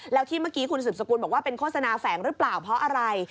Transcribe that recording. แล้วที่เมื่อกี้คุณสืบสกุลบอกว่าเป็นโฆษณาแฝงหรือเปล่าเพราะอะไร